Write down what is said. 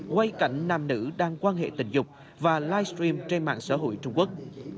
quay cảnh nam nữ đang quan hệ tình dục và live stream trên mạng xã hội trung quốc